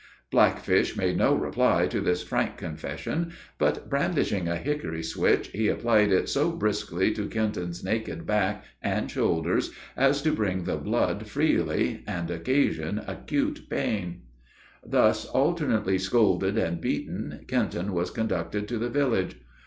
Blackfish made no reply to this frank confession; but, brandishing a hickory switch, he applied it so briskly to Kenton's naked back and shoulders, as to bring the blood freely, and occasion acute pain. Thus, alternately scolded and beaten, Kenton was conducted to the village.